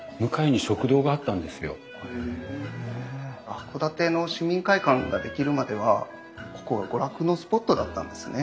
函館の市民会館が出来るまではここは娯楽のスポットだったんですね。